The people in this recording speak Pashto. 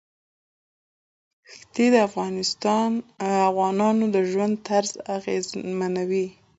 ښتې د افغانانو د ژوند طرز اغېزمنوي.